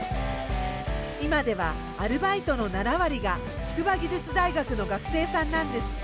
今ではアルバイトの７割が筑波技術大学の学生さんなんですって。